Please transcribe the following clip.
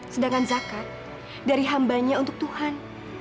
sedangkan zakat dari hambanya untuk tuhan